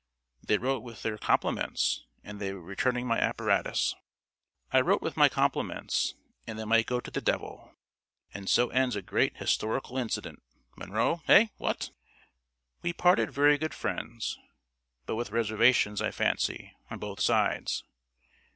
They wrote with their compliments, and they were returning my apparatus. I wrote with my compliments, and they might go to the devil. And so ends a great historical incident, Munro eh, what?" We parted very good friends, but with reservations, I fancy, on both sides.